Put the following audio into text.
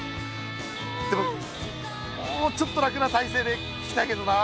でももうちょっと楽なたいせいで聞きたいけどな。